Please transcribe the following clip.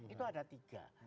itu ada tiga